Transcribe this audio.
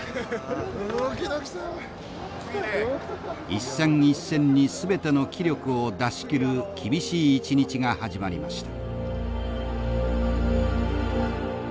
一戦一戦に全ての気力を出しきる厳しい一日が始まりました。